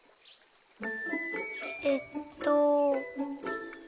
えっと。